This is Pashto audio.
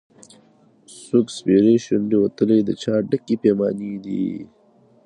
څوک سپېرې شونډي وتلي د چا ډکي پیمانې دي